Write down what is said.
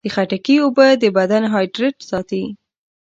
د خټکي اوبه د بدن هایډریټ ساتي.